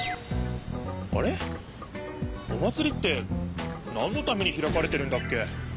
あれっお祭りってなんのためにひらかれてるんだっけ？